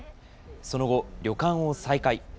その後、旅館を再開。